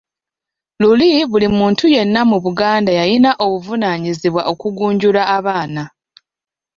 Luli buli muntu yenna mu Buganda yalina obuvunaanyizibwa okugunjula abaana.